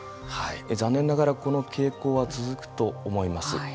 残念ながらこの傾向は続くと思います。